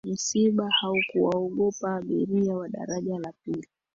msiba haukuwaogopa abiria wa daraja la pili